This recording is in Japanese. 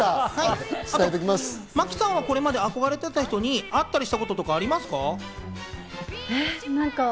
真木さんは、これまで憧れていた人に会ったことはありますか？